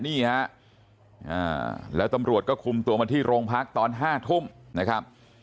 นี่ฮะแล้วตำรวจก็คุมตัวมาที่โรงพักตอน๕ทุ่มนะครับ